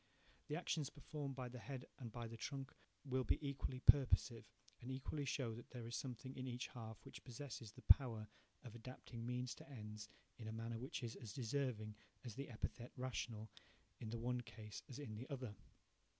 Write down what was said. The actions performed by the head and by the trunk will be equally purposive, and equally show that there is a something in each half which possesses the power of adapting means to ends in a manner which is as deserving as the epithet 'rational' in the one case as in the other.